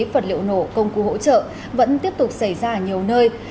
vật liệu nổ công cụ hỗ trợ vẫn tiếp tục xảy ra ở nhiều nơi